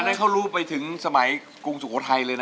นั้นเขารู้ไปถึงสมัยกรุงสุโขทัยเลยนะ